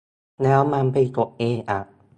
แล้วมันไปกดเองอ่ะ